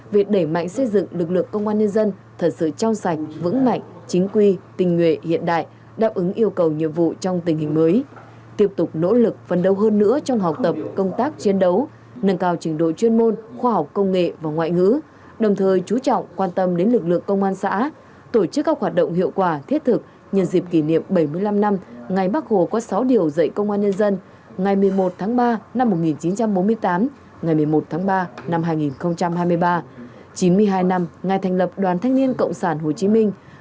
việc đẩy mạnh xây dựng lực lượng công an nhân dân thật sự trao sạch vững mạnh chính quy tình nguyện hiện đại đáp ứng yêu cầu nhiệm vụ trong tình hình mới tiếp tục nỗ lực phấn đấu hơn nữa trong học tập công tác chiến đấu nâng cao trình độ chuyên môn khoa học công nghệ và ngoại ngữ đồng thời chú trọng quan tâm đến lực lượng công an xã tổ chức các hoạt động hiệu quả thiết thực nhân dịp kỷ niệm bảy mươi năm năm ngày bắc hồ có sáu điều dạy công an nhân dân ngày một mươi một tháng ba năm một nghìn chín trăm bốn mươi tám ngày một mươi một tháng ba năm hai nghìn hai mươi ba